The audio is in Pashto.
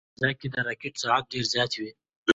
په فضا کې د راکټ سرعت ډېر زیات وي.